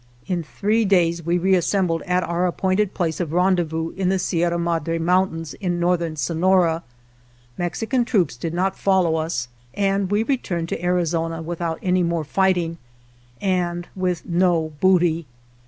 In three days we reassembled at our appointed place of ren dezvous in the Sierra Madre Mountains in northern Sonora. Mexican troops did not follow us, and we returned to Arizona with out any more fighting and with no booty.